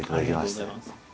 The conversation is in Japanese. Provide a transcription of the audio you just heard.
ありがとうございます。